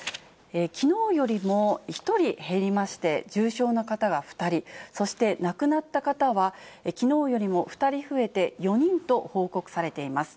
きのうよりも１人減りまして、重症の方が２人、そして亡くなった方はきのうよりも２人増えて、４人と報告されています。